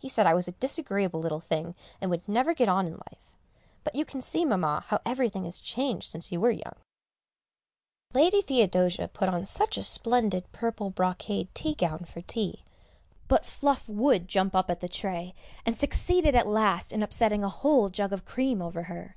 He said I was a disagreeable little thing, and would never get on in life. But you can see, Mamma, how everything has changed since you were young. [Sidenote: Mr. Harrington's Fault] Lady Theodosia put on such a splendid purple brocade tea gown for tea, but Fluff would jump up at the tray, and succeeded at last in upsetting a whole jug of cream over her.